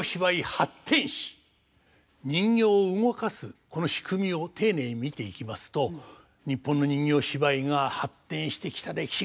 人形を動かすこの仕組みを丁寧に見ていきますと日本の人形芝居が発展してきた歴史